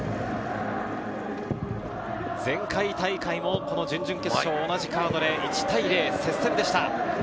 前回大会も、この準々決勝、同じカードで１対０、接戦でした。